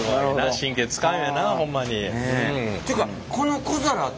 神経使うんやなほんまに。